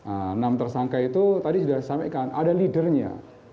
enam tersangka itu tadi sudah disampaikan ada leadernya